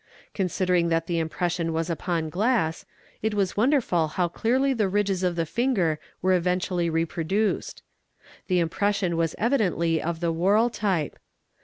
Considering that the impression was upon glass, it was wonderful how clearly the ridges of the finger were eventually repro duced. The impression was evidently of the "whorl" type.